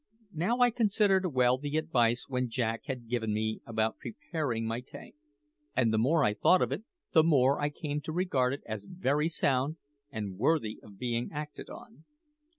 Now I considered well the advice which Jack had given me about preparing my tank, and the more I thought of it the more I came to regard it as very sound and worthy of being acted on.